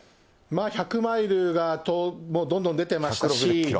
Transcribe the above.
１００マイルがどんどん出てましたし。